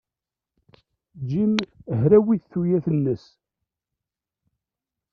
Jim hrawit tuyat-nnes.